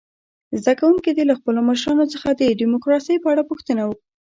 زده کوونکي دې له خپلو مشرانو څخه د ډموکراسۍ په اړه وپوښتي.